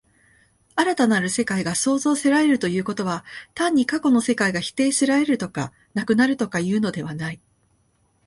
新たなる世界が創造せられるということは、単に過去の世界が否定せられるとか、なくなるとかいうのではない。